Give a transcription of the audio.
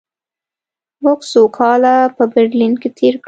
موږ څو کاله په برلین کې تېر کړل